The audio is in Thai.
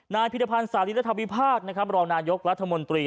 นายผีดพันธ์สาธิตรธวิภาครองนายกรัฐมนตรี